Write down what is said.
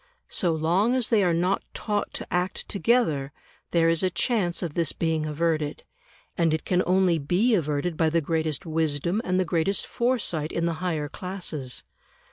So long as they are not taught to act together, there is a chance of this being averted, and it can only be averted by the greatest wisdom and the greatest foresight in the higher classes.